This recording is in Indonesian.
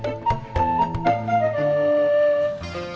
bisa jadi begitu